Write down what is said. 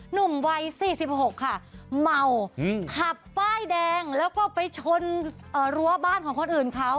หนุ่มวัย๔๖ค่ะเมาขับป้ายแดงแล้วก็ไปชนรั้วบ้านของคนอื่นเขา